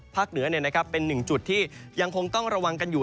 เหนือเป็นหนึ่งจุดที่ยังคงต้องระวังกันอยู่